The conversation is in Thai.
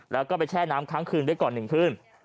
แล้วก็ไปแช่น้ำครั้งคืนไว้ก่อน๑คืน